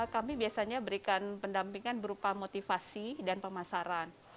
kami biasanya berikan pendampingan berupa motivasi dan pemasaran